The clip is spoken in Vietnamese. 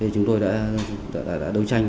chúng tôi đã đấu tranh